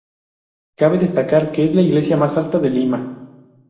Cabe destacar que es la iglesia más alta de Lima.